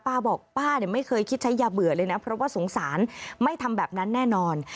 ป้าบอกป้าเนี่ยไม่เคยคิดใช้ยาเบื่อเลยนะเพราะว่าสงสารไม่ทำแบบนั้นแน่นอน